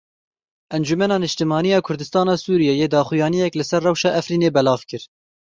Encumena Niştimanî ya Kurdistana Sûriyeyê daxuyaniyek li ser rewşa Efrînê belav kir.